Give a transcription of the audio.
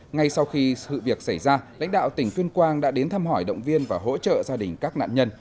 ngay sau khi sự việc xảy ra lãnh đạo tỉnh tuyên quang đã đến thăm hỏi động viên và hỗ trợ gia đình các nạn nhân